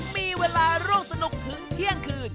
มีเวลาร่วมสนุกถึงเที่ยงคืน